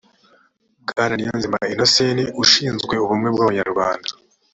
bwana nizeyimana inosenti ushinzwe ubumwe bw’abanyarwanda